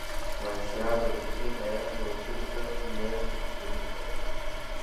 وایسرا د روسی هیات له وتلو څه میاشت وروسته ولیکل.